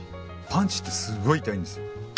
パンチってすごい痛いんですよ。